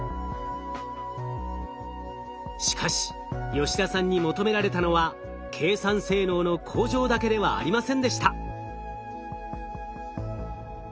しかし吉田さんに求められたのは計算性能の向上だけではありませんでした。